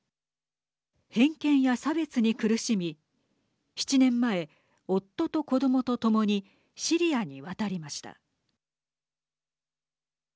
偏見や差別に苦しみ７年前、夫と子どもとともにシリアに渡りました。